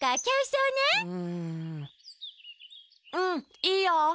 うんうんいいよ！